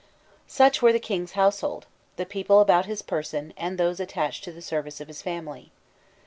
* Such were the king's household, the people about his person, and those attached to the service of his family.